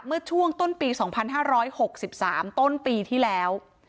เมื่อช่วงต้นปี๒๕๖๓ต้นปีที่แล้ว